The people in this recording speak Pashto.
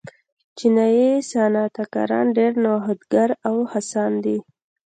چینايي صنعتکاران ډېر نوښتګر او هڅاند دي.